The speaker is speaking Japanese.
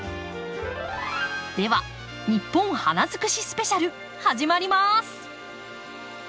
では「ニッポン花づくしスペシャル」始まります！